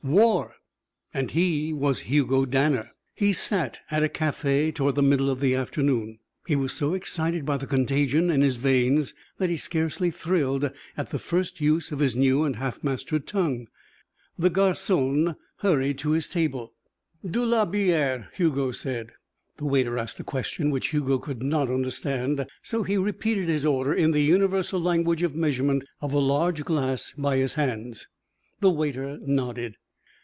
War! And he was Hugo Danner! He sat at a café toward the middle of the afternoon. He was so excited by the contagion in his veins that he scarcely thrilled at the first use of his new and half mastered tongue. The garçon hurried to his table. "De la bière," Hugo said. The waiter asked a question which Hugo could not understand, so he repeated his order in the universal language of measurement of a large glass by his hands. The waiter nodded.